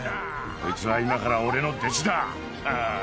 こいつは今から俺の弟子だ！ハハハ。